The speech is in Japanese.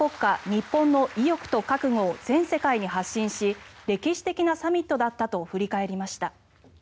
日本の意欲と覚悟を全世界に発信し歴史的なサミットだったと振り返りました。